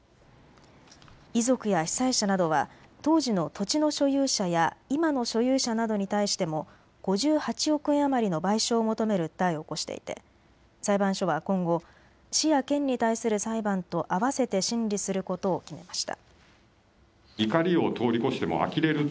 遺族や被災者などは当時の土地の所有者や今の所有者などに対しても５８億円余りの賠償を求める訴えを起こしていて裁判所は今後、市や県に対する裁判とあわせて審理することを決めました。